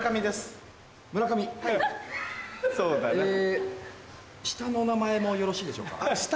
え下の名前もよろしいでしょうか？